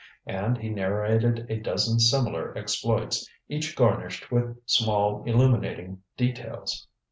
And he narrated a dozen similar exploits, each garnished with small illuminating details.